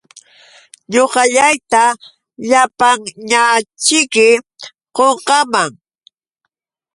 Ñuqallayta llapanñaćhiki qunqaaman.